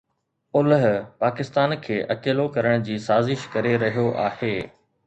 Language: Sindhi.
اولهه پاڪستان کي اڪيلو ڪرڻ جي سازش ڪري رهيو آهي